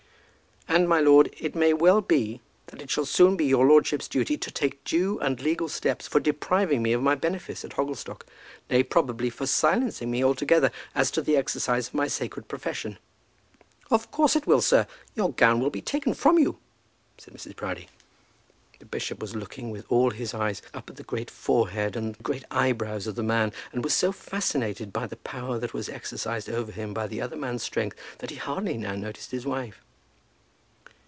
"And, my lord, it may well be, that it shall soon be your lordship's duty to take due and legal steps for depriving me of my benefice at Hogglestock; nay, probably, for silencing me altogether as to the exercise of my sacred profession!" "Of course it will, sir. Your gown will be taken from you," said Mrs. Proudie. The bishop was looking with all his eyes up at the great forehead and great eyebrows of the man, and was so fascinated by the power that was exercised over him by the other man's strength that he hardly now noticed his wife.